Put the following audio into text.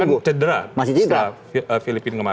karena kan cedera setelah filipina kemarin